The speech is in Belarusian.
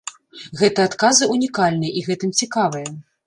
Гэты адказы ўнікальныя і гэтым цікавыя.